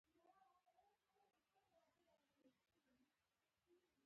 تر بل هر چا لایق وو.